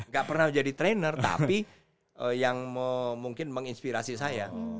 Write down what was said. gak pernah jadi trainer tapi yang mungkin menginspirasi saya